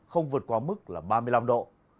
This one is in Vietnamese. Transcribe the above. không vượt qua mức là ba mươi năm độ